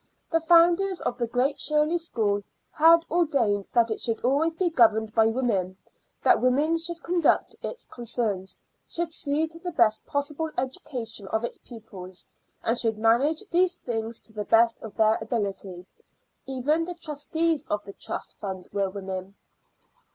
The founders of the Great Shirley School had ordained that it should always be governed by women that women should conduct its concerns, should see to the best possible education of its pupils, and should manage these things to the best of their ability. Even the trustees of the trust fund were women.